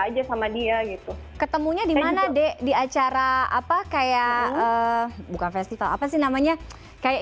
aja sama dia gitu ketemunya dimana dek di acara apa kayak bukan festival apa sih namanya kayak